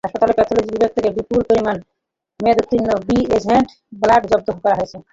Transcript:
হাসপাতালের প্যাথলজি বিভাগ থেকে বিপুল পরিমাণ মেয়াদোত্তীর্ণ রি-এজেন্ট ব্লাড জব্দ করা হয়েছে।